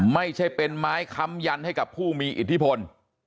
ไม่ใช่เป็นไม้ค้ำยันให้กับผู้มีอิทธิพล